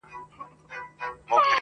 هغه به چيري وي.